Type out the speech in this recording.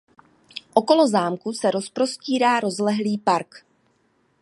Okolo zámku se rozprostírá rozlehlý park.